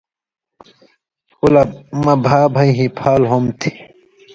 ”او لہ مہ بھا بھئ ہیپھال ہوم تھی،